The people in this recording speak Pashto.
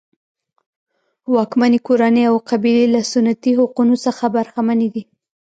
واکمنې کورنۍ او قبیلې له سنتي حقونو څخه برخمنې دي.